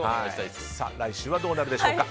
来週はどうなるでしょうか。